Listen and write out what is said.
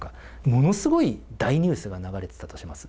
ものすごい大ニュースが流れていたとします。